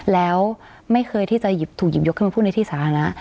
แล้วไม่เคยที่จะถูกหยิบยกขึ้นมาพูดในที่สาธารณะ